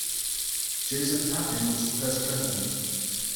Joseph Papin was the first president.